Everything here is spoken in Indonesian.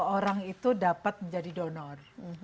orang itu dapat menjadi donor